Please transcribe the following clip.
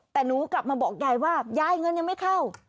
แต่หนูกลับมาบอกยายว่ายายเงินยังไม่เข้า